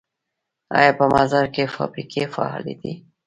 آیا په مزار کې فابریکې فعالې دي؟